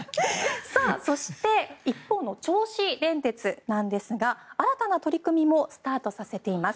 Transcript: そして、一方の銚子電鉄ですが新たな取り組みもスタートさせています。